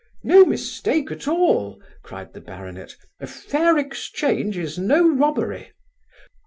'No mistake at all (cried the baronet): a fair exchange is no robbery.